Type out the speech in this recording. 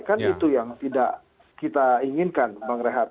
kan itu yang tidak kita inginkan bang red heart